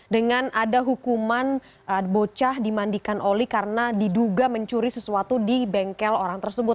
dengan ada hukuman bocah dimandikan oli karena diduga mencuri sesuatu di bengkel orang tersebut